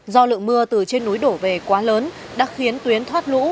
do lượng mưa từ trên núi đổ về quá lớn đã khiến tuyến thoát lũ